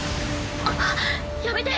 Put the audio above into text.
あっやめて。